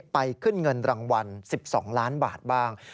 ไปขึ้นเงินรางวัล๑๒ล้านบาทบ้าง